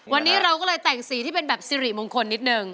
วันนี้เราก็เลยแต่งสีที่เป็นแบบสิริมงคลนิดนึง